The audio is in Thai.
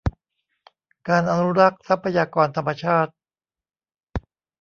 การอนุรักษ์ทรัพยากรธรรมชาติ